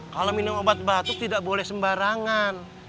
kalau minum obat batuk tidak boleh sembarangan